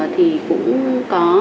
thì cũng có